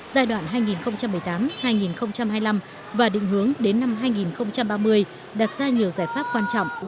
giai đoạn hai nghìn một mươi tám hai nghìn hai mươi năm và định hướng đến năm hai nghìn ba mươi đặt ra nhiều giải pháp quan trọng